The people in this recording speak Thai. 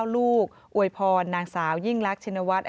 ๔๙ลูกอวยพรนางสาวยิ่งลักษณ์ชินวัตร